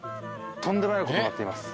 とんでもない事になっています。